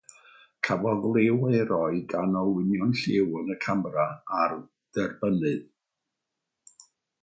Cafodd y lliw ei roi gan olwynion lliw yn y camera a'r derbynnydd.